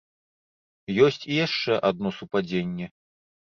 Ёсць і яшчэ адно супадзенне.